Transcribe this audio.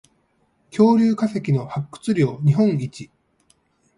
恐竜化石の発掘量日本一